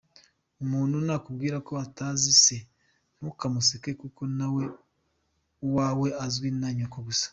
Umuntu nakubwira ko atazi se, ntukamuseke, kuko nawe uwawe azwi na Nyoko gusa.